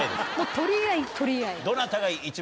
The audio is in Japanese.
取り合い取り合い。